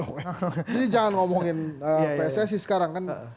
jadi jangan ngomongin pssi sekarang kan